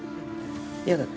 嫌だった？